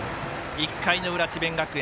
１回の裏、智弁学園。